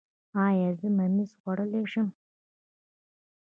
ایا زه ممیز خوړلی شم؟